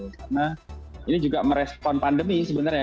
karena ini juga merespon pandemi sebenarnya ya